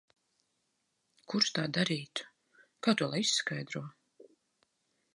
Kurš tā darītu? Kā to lai izskaidro?